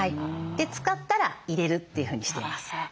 で使ったら入れるというふうにしています。